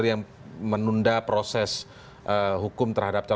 dia sudah prob meine heli boys